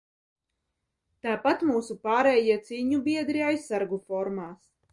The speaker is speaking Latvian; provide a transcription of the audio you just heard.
Tāpat mūsu pārējie cīņu biedri aizsargu formās.